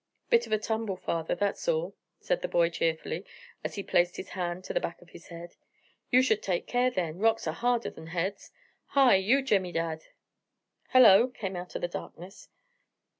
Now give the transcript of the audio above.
"Bit of a tumble, father, that's all," said the boy cheerfully, as he placed his hand to the back of his head. "You should take care, then; rocks are harder than heads. Hi! You Jemmy Dadd!" "Hullo!" came out of the darkness.